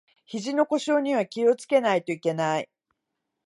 ひじの故障には気をつけないといけない